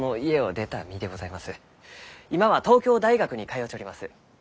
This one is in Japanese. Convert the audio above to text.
今は東京大学に通うちょります。